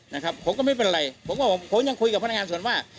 นะครับผมก็ไม่เป็นไรผมก็ผมยังคุยกับพนักงานส่วนว่า